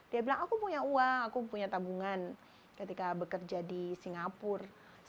dia bilang aku punya uang aku punya tabungan ketika bekerja di singapura